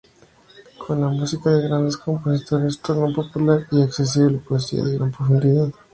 Con la música de grandes compositores, tornó popular y accesible poesía de gran profundidad.